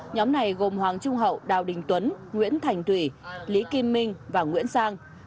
nhóm này gồm hoàng trung hậu đào đình tuấn nguyễn thành thủy lý kim minh và nguyễn sang